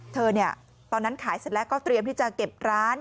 ตอนนั้นขายเสร็จแล้วก็เตรียมที่จะเก็บร้าน